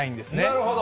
なるほど。